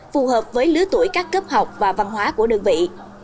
phù hợp với lứa tuổi các cấp học và văn hóa của đơn vị